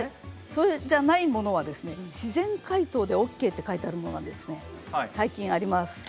それじゃないものは自然解凍ＯＫというものが最近あります。